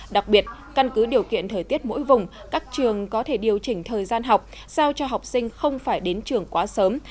đặc biệt căn cứ điều kiện thời tiết mỗi vùng các trường có thể điều chỉnh thời gian học sao cho học sinh không phải đến trường quá sớm